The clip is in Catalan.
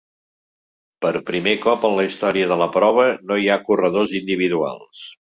Per primer cop en la història de la prova no hi ha corredors individuals.